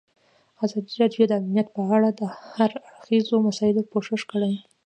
ازادي راډیو د امنیت په اړه د هر اړخیزو مسایلو پوښښ کړی.